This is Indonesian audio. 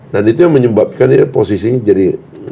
dan itu yang menyebabkan posisinya jadi